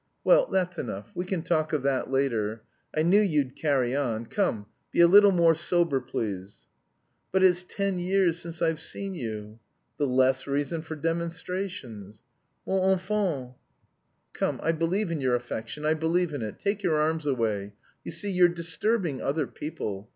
"Well, that's enough. We can talk of that later. I knew you'd carry on. Come, be a little more sober, please." "But it's ten years since I've seen you." "The less reason for demonstrations." "Mon enfant!..." "Come, I believe in your affection, I believe in it, take your arms away. You see, you're disturbing other people....